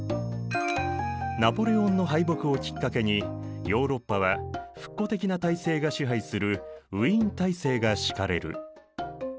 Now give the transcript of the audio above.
ナポレオンの敗北をきっかけにヨーロッパは復古的な体制が支配するウィーン体制が敷かれる。